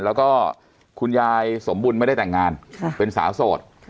แล้วก็คุณยายสมบุญไม่ได้แต่งงานเป็นสาวโสด